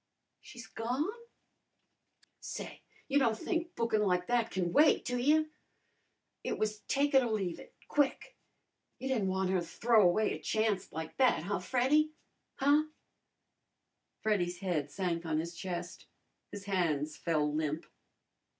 "She's gone?" "Say, you don' think bookin' like that can wait, do you? It was take it or leave it quick. You didn't wan' her to throw away a chancet like that, huh, Freddy? Huh?" Freddy's head sank on his chest. His hands fell limp.